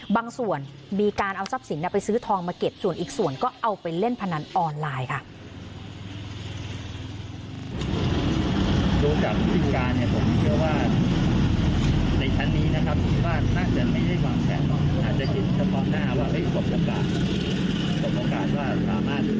บางส่วนมีการเอาทรัพย์สินไปซื้อทองมาเก็บส่วนอีกส่วนก็เอาไปเล่นพนันออนไลน์ค่ะ